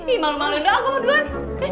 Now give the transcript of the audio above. ih malu malu enggak gue mau duluan